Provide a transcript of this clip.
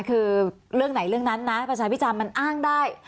คือเรื่องไหนเรื่องนั้นนะประชาพิจารณ์มันอ้างได้